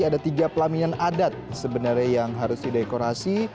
ada tiga pelaminan adat sebenarnya yang harus didekorasi